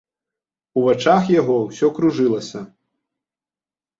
У вачах яго ўсё кружылася.